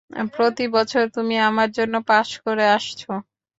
প্রতি বছর তুমি আমার জন্য পাস করে আসছো।